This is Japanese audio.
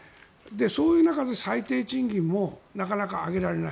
そういう中で最低賃金もなかなか上げられない。